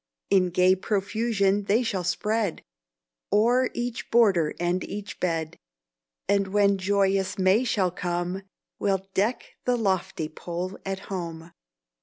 In gay profusion they shall spread O'er each border and each bed, And when joyous May shall come, We'll deck the lofty pole at home.